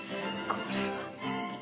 これは。